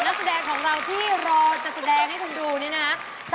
นักแสดงของเราที่รอจะแสดงให้คุณดูนี่นะครับ